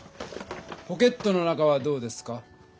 ポケットの中はどうですか？